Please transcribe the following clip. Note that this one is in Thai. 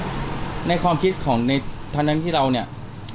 ปล่อยจะอยู่คนเดียวในความคิดของในทางด้านที่เราเนี้ย